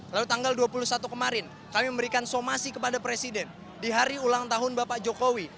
lalu tanggal dua puluh satu kemarin kami memberikan somasi kepada presiden di hari ulang tahun bapak jokowi